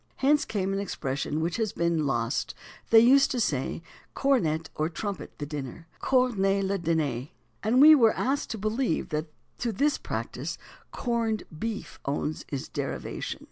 Hence came an expression which has been lost; they used to say cornet (or trumpet) the dinner (cornez le diner)." And we are asked to believe that to this practice "corned" beef owes its derivation.